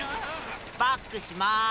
バックします。